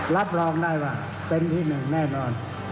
รับรองได้ว่าเป็นที่หนึ่งแน่นอน